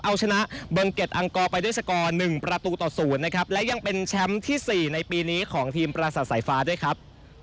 เอาชนะเบิงเก็ตอังกอร์ไปด้วยสกอร์๑ประตูต่อ๐นะครับและยังเป็นแชมป์ที่๔ในปีนี้ของทีมปราสาทสายฟ้าด้วยครับ